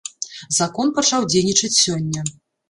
Закон пачаў дзейнічаць сёння.